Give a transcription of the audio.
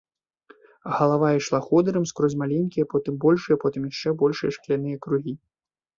Галава ішла ходырам скрозь маленькія, потым большыя, потым яшчэ большыя шкляныя кругі.